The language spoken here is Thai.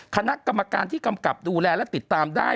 คณะกรรมการที่กำกับดูแลและติดตามได้